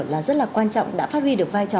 là rất là quan trọng đã phát huy được vai trò